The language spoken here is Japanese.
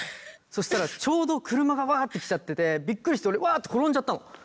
そしたらちょうど車がわって来ちゃっててびっくりして俺わって転んじゃったの。